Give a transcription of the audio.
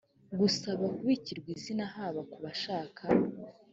gusaba kubikirwa izina haba ku bashaka